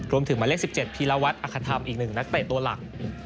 รวมถึงหมายเลข๑๗พีลาวัฒน์อาขธรรมอีกหนึ่งนักเตะตัวหลัก